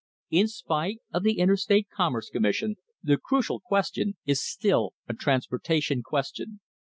In spite of the Interstate Commerce Commission, the cru cial question is still a transportation question.